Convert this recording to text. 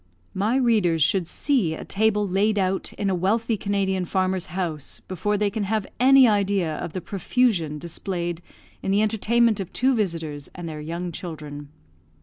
My readers should see a table laid out in a wealthy Canadian farmer's house before they can have any idea of the profusion displayed in the entertainment of two visitors and their young children.